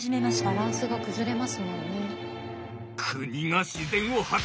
バランスが崩れますもんね。